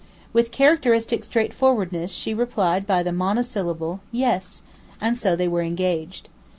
With characteristic straightforwardness she replied by the monosyllable, 'Yes,' and so they were engaged.